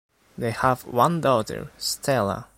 They have one daughter, Stella.